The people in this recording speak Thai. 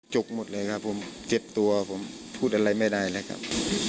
กหมดเลยครับผมเจ็บตัวผมพูดอะไรไม่ได้เลยครับ